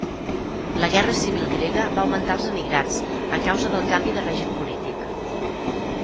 La Guerra Civil Grega va augmentar els emigrats a causa del canvi de règim polític.